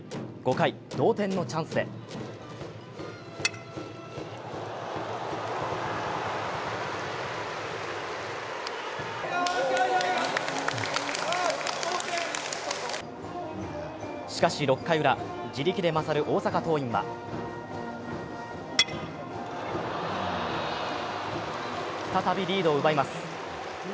５回同点のチャンスでしかし、６回ウラ、自力で勝る大阪桐蔭は再び、リードを奪います。